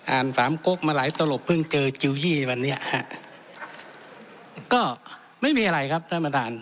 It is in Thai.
สามกกมาหลายตลบเพิ่งเจอจิลยี่วันนี้ฮะก็ไม่มีอะไรครับท่านประธาน